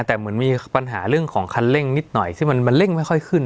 แต่เหมือนมีปัญหาเรื่องของคันเร่งนิดหน่อยซึ่งมันเร่งไม่ค่อยขึ้น